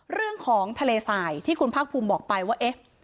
เรื่องของทะเลสายที่คุณภาคภูมิบอกไปว่าเอ๊ะ